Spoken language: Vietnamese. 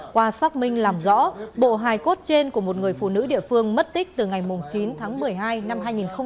qua xác minh làm rõ bộ hài cốt trên của một người phụ nữ địa phương mất tích từ ngày chín tháng một mươi hai năm hai nghìn một mươi chín